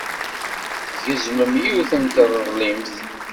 Tgezmem yiwet n treḍlimt.